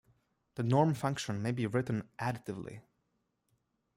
The norm function may be written additively.